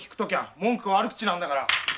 文句か悪口なんだから。